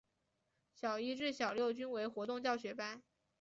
小一至小六均为活动教学班。